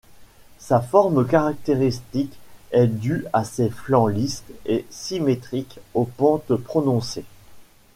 Sa forme caractéristique est due à ses flancs lisses et symétriques aux pentes prononcées.